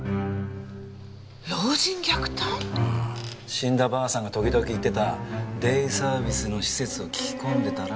死んだばあさんが時々行ってたデイサービスの施設を聞き込んでたら。